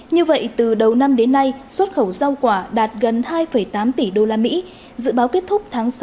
như vậy từ đầu năm đến nay xuất khẩu rau quả đạt gần hai tám tỷ usd dự báo kết thúc tháng sáu